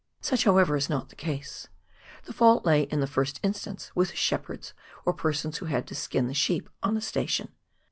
Such, however, is not the case. The fault lay in the first instance with the shepherds or persons who had to skin the sheep on a station.